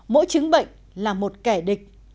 mỗi chứng bệnh là một kẻ địch